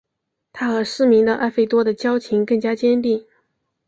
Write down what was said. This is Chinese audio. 他和失明的艾费多的交情更加坚定。